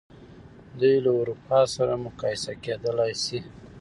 دوی له اروپا سره مقایسه کېدلای شي.